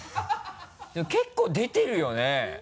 結構出てるよね。